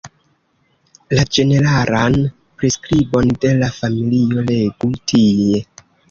La ĝeneralan priskribon de la familio legu tie.